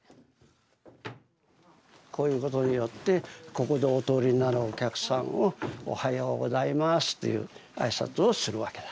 こういうことによってここでお通りになるお客さんを「おはようございます」っていう挨拶をするわけだ。